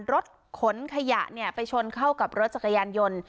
รถขนขยะเนี่ยไปชนเข้ากับรถจักรยานยนต์